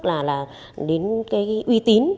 là đến cái uy tín